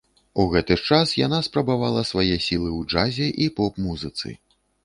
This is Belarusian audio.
У гэты ж час яна спрабавала свае сілы ў джазе і поп-музыцы.